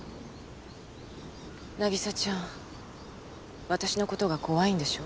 凪沙ちゃん私のことが怖いんでしょ？